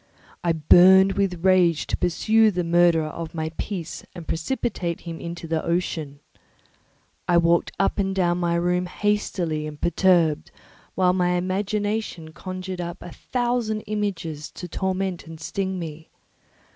I burned with rage to pursue the murderer of my peace and precipitate him into the ocean. I walked up and down my room hastily and perturbed, while my imagination conjured up a thousand images to torment and sting me.